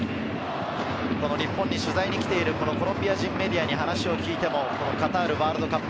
日本に取材に来ているコロンビア人メディアに話を聞いても、カタールワールドカップ。